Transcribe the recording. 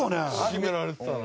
決められてたな。